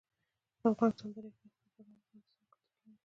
افغانستان د د ریګ دښتې د پلوه ځانته ځانګړتیا لري.